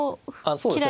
そうですね。